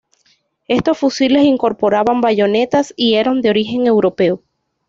Estos fusiles incorporaban bayonetas y eran de origen europeo.